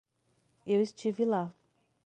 Eu estive lá